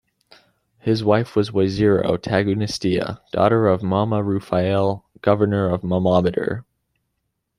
His wife was Woizero Tagunestiya, daughter of Mama Rufa'el, Governor of Mamameder.